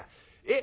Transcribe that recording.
え？